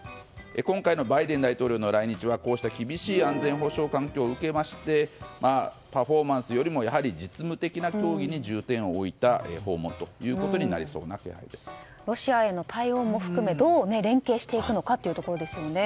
今回のバイデン大統領の来日はこうした厳しい安全保障環境を受けましてパフォーマンスよりも実務的な協議に重点を置いたロシアへの対応も含めどう連携していくのかというところですね。